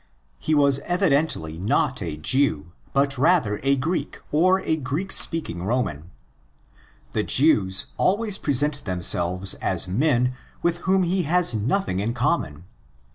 He was evidently not a Jew, but rather a Greek or 8 Greek speaking Roman. 'The Jews" always present themselves as men with whom he has nothing in common.